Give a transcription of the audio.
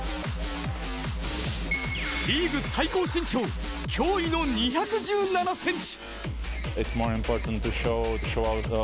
リーグ最高身長驚異の２１７ｃｍ。